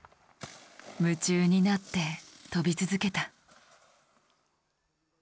夢中になって飛び続けた。